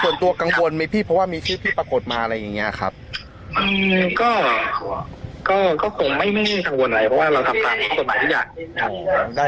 ส่วนตัวกังวลไหมพี่เพราะว่ามีชื่อพี่ปรากฏมาอะไรอย่างเงี้ยครับก็ก็คงไม่กังวลอะไรเพราะว่าเราทำตามกฎหมายทุกอย่างได้